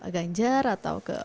ganjar atau ke